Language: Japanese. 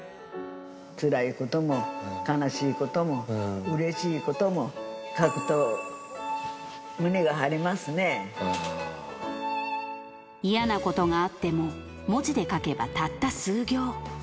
つらいことも悲しいこともうれしいことも、嫌なことがあっても、文字で書けばたった数行。